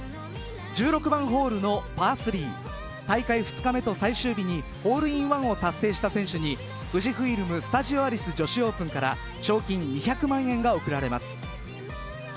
１６番ホールのパー３大会２日目と最終日にホールインワンを達成した選手に富士フイルム・スタジオアリス女子オープンから賞金２００万円が贈られます。